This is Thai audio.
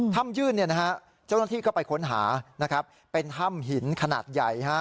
ยื่นเจ้าหน้าที่ก็ไปค้นหานะครับเป็นถ้ำหินขนาดใหญ่